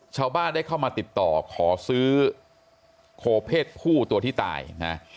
ชาวบ้านได้เข้ามาติดต่อขอซื้อโคเพศผู้ตัวที่ตายนะ